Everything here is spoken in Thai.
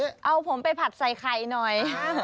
คือเอาผมไปผัดใส่ไข่หน่อย